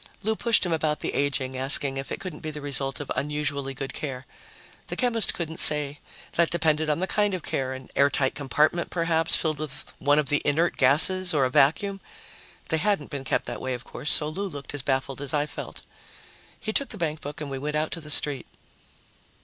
Lou pushed him about the aging, asking if it couldn't be the result of unusually good care. The chemist couldn't say that depended on the kind of care; an airtight compartment, perhaps, filled with one of the inert gases, or a vacuum. They hadn't been kept that way, of course, so Lou looked as baffled as I felt. He took the bankbook and we went out to the street.